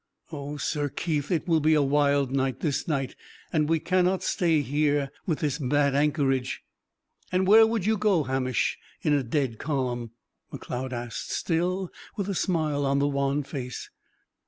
"Oh, Sir Keith, it will be a wild night this night! And we cannot stay here, with this bad anchorage!" "And where would you go, Hamish in a dead calm?" Macleod asked, still with a smile on the wan face.